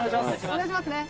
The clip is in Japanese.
お願いしますね」